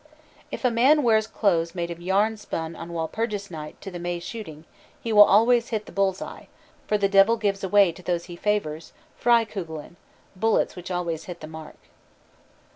If a man wears clothes made of yarn spun on Walpurgis Night to the May shooting, he will always hit the bull's eye, for the Devil gives away to those he favors, "freikugeln," bullets which always hit the mark.